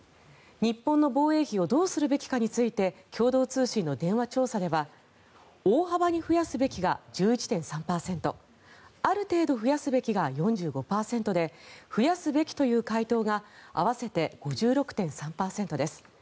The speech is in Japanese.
日本の防衛費をどうするべきかについて共同通信の電話調査では大幅に増やすべきが１１．３％ある程度増やすべきが４５％で増やすべきという回答が合わせて５６．３％です。